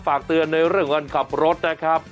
ฝากเตือนในเรื่องของการขับรถนะครับ